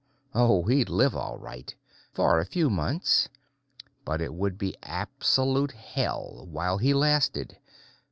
Oh, he'd live, all right for a few months but it would be absolute hell while he lasted.